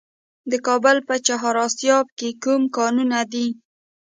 د کابل په چهار اسیاب کې کوم کانونه دي؟